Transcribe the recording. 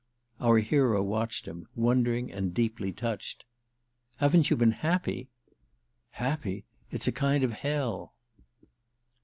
Our hero watched him, wondering and deeply touched. "Haven't you been happy!" "Happy? It's a kind of hell."